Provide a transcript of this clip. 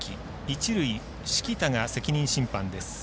一塁、敷田が責任審判です。